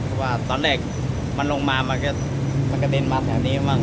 เพราะว่าตอนแรกมันลงมามันกระเด็นมาแถวนี้บ้าง